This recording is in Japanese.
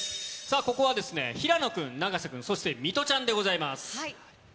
ここはですね、平野君、永瀬君、そして水卜ちゃんでございます。